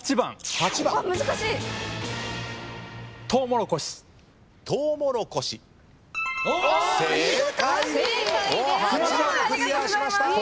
８番クリアしました。